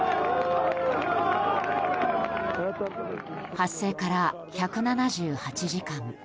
発生から１７８時間。